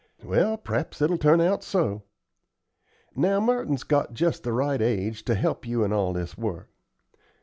"Well, p'raps it'll turn out so. Now Merton's just the right age to help you in all this work.